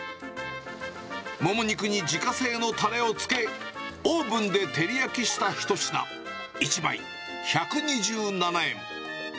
モモ肉に自家製のたれをつけ、オーブンで照り焼きした一品、１枚１２７円。